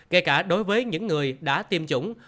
kể cả đối với những người đã tiêm chủng